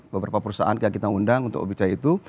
beberapa perusahaan yang kita undang untuk berbicara itu